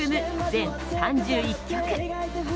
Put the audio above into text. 全３１曲。